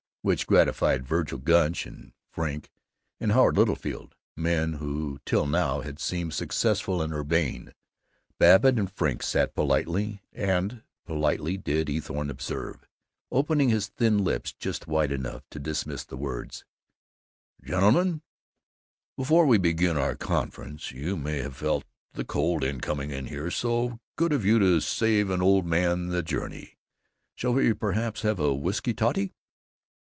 which gratified Vergil Gunch and Frink and Howard Littlefield men who till now had seemed successful and urbane. Babbitt and Frink sat politely, and politely did Eathorne observe, opening his thin lips just wide enough to dismiss the words, "Gentlemen, before we begin our conference you may have felt the cold in coming here so good of you to save an old man the journey shall we perhaps have a whisky toddy?"